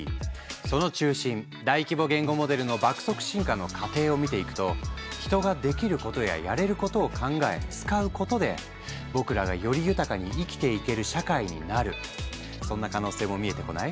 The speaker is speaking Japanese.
その中心大規模言語モデルの爆速進化の過程を見ていくと人ができることややれることを考え使うことで僕らがより豊かに生きていける社会になるそんな可能性も見えてこない？